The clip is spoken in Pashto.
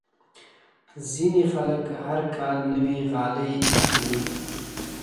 ځینې خلک هر کال نوې غالۍ اخلي.